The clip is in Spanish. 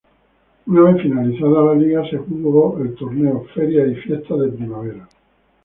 Una vez finalizada la Liga, se jugó el Torneo Ferias y Fiestas de Primavera.